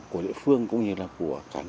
của địa phương cũng như là của cả nước